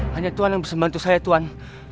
hanya tuhan yang mesti bantu saya tuhan